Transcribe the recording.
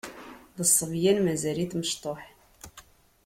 D ṣṣebyan mazal-it mecṭuḥ.